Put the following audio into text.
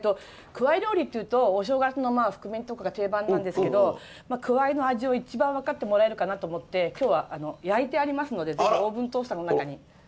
くわい料理っていうとお正月の含め煮とかが定番なんですけどくわいの味を一番分かってもらえるかなと思って今日は焼いてありますのでオーブントースターの中に。